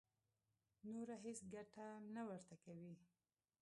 نوره هېڅ ګټه نه ورته کوي.